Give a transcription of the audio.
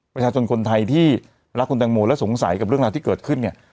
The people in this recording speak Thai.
ประชาชนคนไทยที่รักคุณแตงโมและสงสัยกับเรื่องราวที่เกิดขึ้นเนี่ย